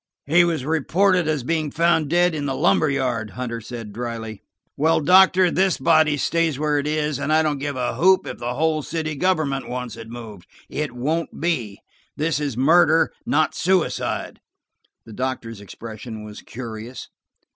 "He was reported as being found dead in the lumber yard," Hunter said dryly. "Well, Doctor, this body stays where it is, and I don't give a whoop if the whole city government wants it moved. It won't be. This is murder, not suicide." The doctor's expression was curious.